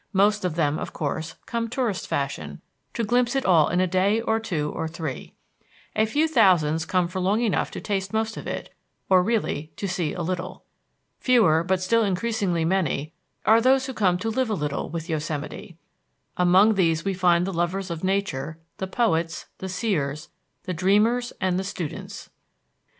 Most of them, of course, come tourist fashion, to glimpse it all in a day or two or three. A few thousands come for long enough to taste most of it, or really to see a little. Fewer, but still increasingly many, are those who come to live a little with Yosemite; among these we find the lovers of nature, the poets, the seers, the dreamers, and the students.